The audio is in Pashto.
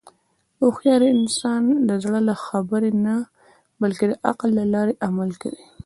هوښیار انسان د زړه له خبرې نه، بلکې د عقل له لارې عمل کوي.